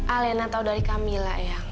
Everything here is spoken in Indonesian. alena tahu dari kamila eang